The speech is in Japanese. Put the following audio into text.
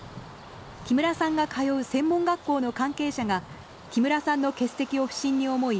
木村さんが通う専門学校の関係者が木村さんの欠席を不審に思い